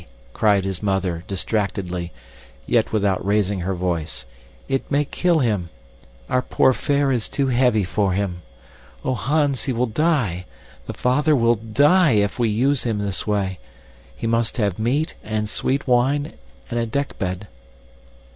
cried his mother, distractedly, yet without raising her voice. "It may kill him. Our poor fare is too heavy for him. Oh, Hans, he will die the father will DIE, if we use him this way. He must have meat and sweet wine and a dekbed.